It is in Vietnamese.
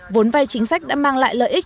vốn vay chính sách đã mang lại lợi ích